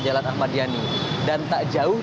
jalan ahmadiyani dan tak jauh